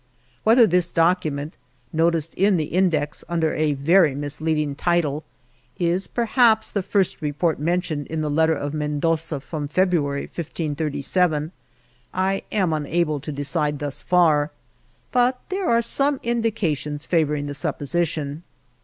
Whether this document INTRODUCTION (noticed in the Index under a very mislead ing title) is perhaps the first report men tioned in the letter of Mendoza from Febru ary, 1537, I am unable to decide thus far, but there are some indications favoring the supposition.